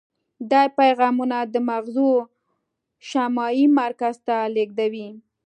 دا پیغامونه د مغزو شامعي مرکز ته لیږدوي.